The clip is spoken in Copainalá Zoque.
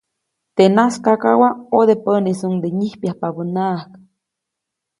Teʼ najskakawa, ʼodepäʼnisuŋdeʼe nyijpyajpabäʼnaʼajk.